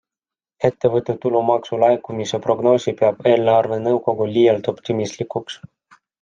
Ettevõtte tulumaksu laekumise prognoosi peab eelarvenõukogu liialt optimistlikuks.